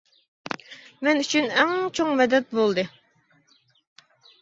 مەن ئۈچۈن ئەڭ چوڭ مەدەت بولدى!